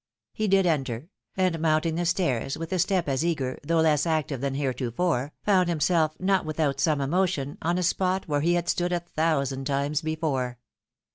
He did enter ; and mounting the stairs with a step as eager, though less active than heretofore, found himself, not without some emotion, on a spot where he had stood a thousand times before.